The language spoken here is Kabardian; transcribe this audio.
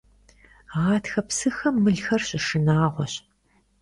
Гъатхэ псыхэм мылхэр щышынагъуэщ.